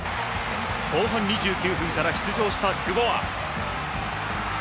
後半２９分から出場した久保は。